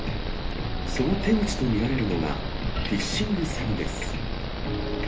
その手口と見られるのが、フィッシング詐欺です。